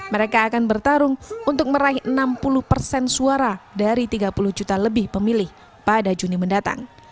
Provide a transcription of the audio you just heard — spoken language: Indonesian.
mereka akan bertarung untuk meraih enam puluh persen suara dari tiga puluh juta lebih pemilih pada juni mendatang